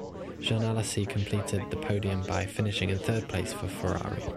Jean Alesi completed the podium by finishing in third place for Ferrari.